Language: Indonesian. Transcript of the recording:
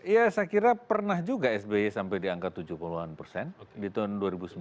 ya saya kira pernah juga sby sampai di angka tujuh puluh an persen di tahun dua ribu sembilan